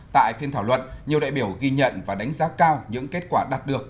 tại phiên thảo luận nhiều đại biểu ghi nhận và đánh giá cao những kết quả đạt được